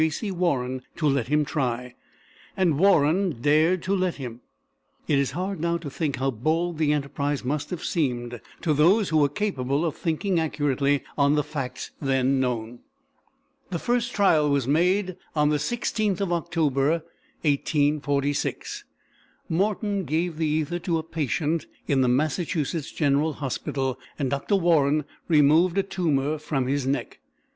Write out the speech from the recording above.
C. Warren to let him try, and Warren dared to let him. It is hard now to think how bold the enterprise must have seemed to those who were capable of thinking accurately on the facts then known. The first trial was made on the 16th of October, 1846. Morton gave the ether to a patient in the Massachusetts General Hospital, and Dr. Warren removed a tumour from his neck.